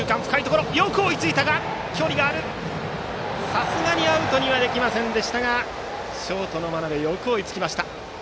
さすがにアウトにはできませんでしたがショートの真鍋よく追いつきました。